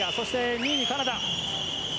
２位にカナダ。